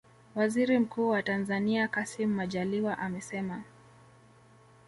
Waziri mkuu wa Tanzania Kassim Majaliwa amesema